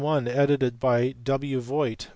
edited by W. Voigt.